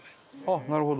なるほど。